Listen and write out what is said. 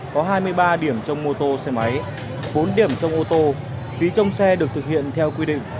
có hai mươi ba điểm trong mô tô xe máy bốn điểm trong ô tô phí trong xe được thực hiện theo quy định